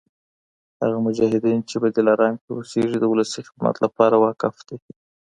هغه مجاهدین چي په دلارام کي اوسیږي د ولسي خدمت لپاره وقف دي